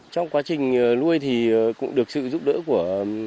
trong quá trình nuôi thì cũng được sự giúp đỡ của